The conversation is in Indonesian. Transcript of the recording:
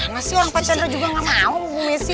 masih orang pacarnya juga gak mau sama bu messi